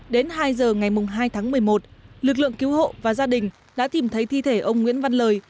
đến hai giờ ngày hai tháng một mươi một lực lượng cứu hộ và gia đình đã tìm thấy thi thể ông nguyễn văn lời